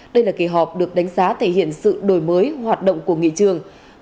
đây là kỳ họp được đánh giá thể hiện sự đổi mới hoạt động của nghị trường